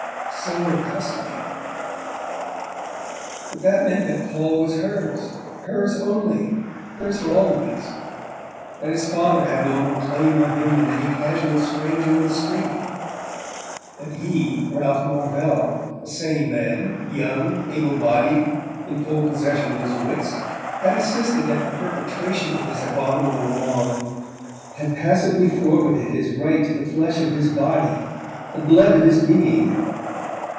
The sole custody! But that meant that Paul was hers, hers only, hers for always: that his father had no more claim on him than any casual stranger in the street! And he, Ralph Marvell, a sane man, young, able bodied, in full possession of his wits, had assisted at the perpetration of this abominable wrong, had passively forfeited his right to the flesh of his body, the blood of his being!